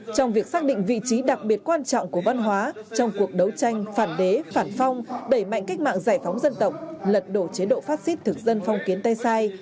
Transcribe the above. trong việc xác định vị trí đặc biệt quan trọng của văn hóa trong cuộc đấu tranh phản đế phản phong đẩy mạnh cách mạng giải phóng dân tộc lật đổ chế độ phát xít thực dân phong kiến tay sai